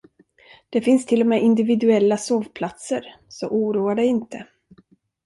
Det finns till och med individuella sovplatser, så oroa dig inte.